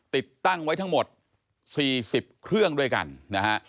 ติดตั้งไว้ทั้งหมด๔๐เครื่องด้วยกันนะฮะ